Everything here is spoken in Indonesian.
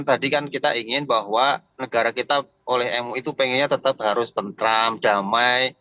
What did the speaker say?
tadi kan kita ingin bahwa negara kita oleh mui itu pengennya tetap harus tentram damai